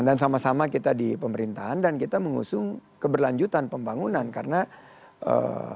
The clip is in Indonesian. sama sama kita di pemerintahan dan kita mengusung keberlanjutan pembangunan karena ee